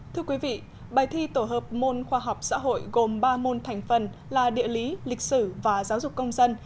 thưa quý vị bài thi tổ hợp môn khoa học xã hội gồm ba môn thành phần là địa lý lịch sử và giáo dục công dân